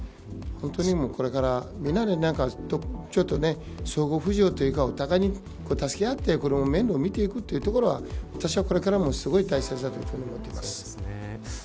本当に、これからみんなでちょっと相互補助というか助け合って面倒を見ていくということは私はこれからもすごい大切だと思っています。